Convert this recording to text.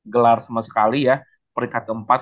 gelar sama sekali ya peringkat keempat